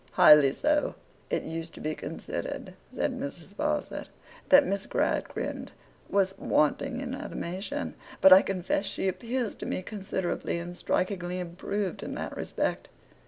'Highly so.' 'It used to be considered,' said Mrs. Sparsit, 'that Miss Gradgrind was wanting in animation, but I confess she appears to me considerably and strikingly improved in that respect.